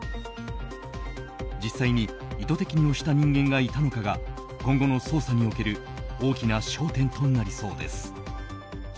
実際に意図的に押した人間がいたのかが今後の捜査における大きな焦点となりそうです。